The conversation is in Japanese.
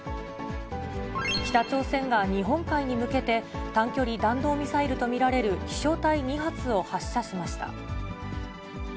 北朝鮮が日本海に向けて、短距離弾道ミサイルと見られる飛しょう体２発を発射しました。